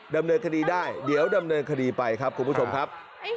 ดำเนินคดีได้เดี๋ยวดำเนินคดีไปครับคุณผู้ชมครับ